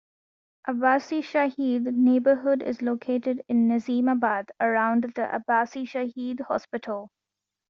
Abbasi Shaheed neighbourhood is located in Nazimabad around the Abbasi Shaheed Hospital.